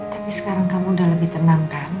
tapi sekarang kamu udah lebih tenang kan